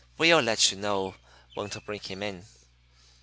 We'll let you know when to bring him in."